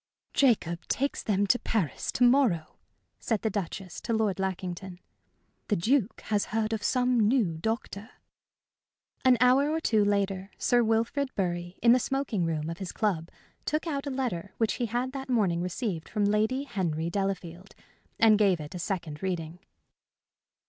"Jacob takes them to Paris to morrow," said the Duchess to Lord Lackington. "The Duke has heard of some new doctor." An hour or two later, Sir Wilfrid Bury, in the smoking room of his club, took out a letter which he had that morning received from Lady Henry Delafield and gave it a second reading.